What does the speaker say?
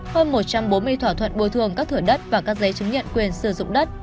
hơn một trăm bốn mươi thỏa thuận bồi thường các thửa đất và các giấy chứng nhận quyền sử dụng đất